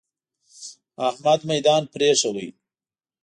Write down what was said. احمد ميدان پرېښود.